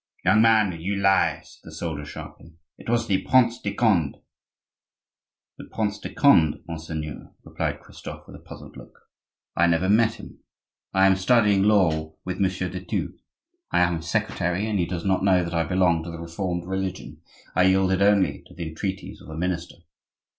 "Young man, you lie!" said the soldier, sharply; "it was the Prince de Conde." "The Prince de Conde, monseigneur!" replied Christophe, with a puzzled look. "I never met him. I am studying law with Monsieur de Thou; I am his secretary, and he does not know that I belong to the Reformed religion. I yielded only to the entreaties of the minister."